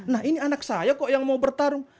nah ini anak saya kok yang mau bertarung